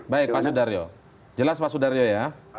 baik pak sudaryo jelas pak sudaryo ya